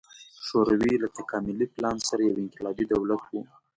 شوروي له تکاملي پلان سره یو انقلابي دولت و.